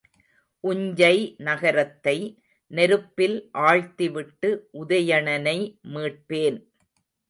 உஞ்சை நகரத்தை நெருப்பில் ஆழ்த்திவிட்டு உதயணனை மீட்பேன்.